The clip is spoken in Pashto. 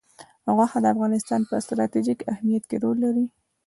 غوښې د افغانستان په ستراتیژیک اهمیت کې رول لري.